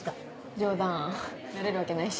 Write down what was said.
冗談なれるわけないし。